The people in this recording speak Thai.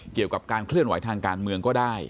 เกี่ยวกับการเคลื่อนไหวทางการเมืองก็ได้